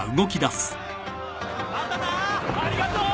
ありがとう！